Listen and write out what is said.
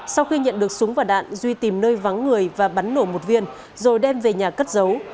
sau khi nhận được súng và đạn duy tìm nơi vắng người và bắn nổ một viên rồi đem về nhà cất giấu